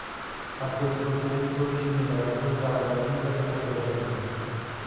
A questo punto ci viene raccontata la vita della protagonista.